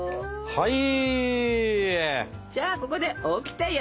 はい！